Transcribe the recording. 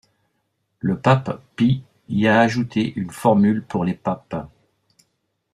Le pape Pie y a ajouté une formule pour les papes.